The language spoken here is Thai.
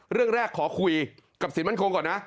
เรื่องแรกขอคุยกับสินมั่นคงก่อนนะ